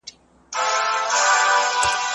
که پایپ وي نو اوبه نه بندیږي.